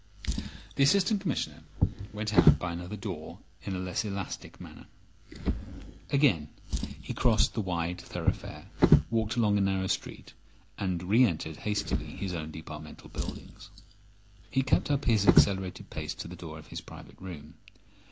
The Assistant Commissioner went out by another door in a less elastic manner. Again he crossed the wide thoroughfare, walked along a narrow street, and re entered hastily his own departmental buildings. He kept up this accelerated pace to the door of his private room.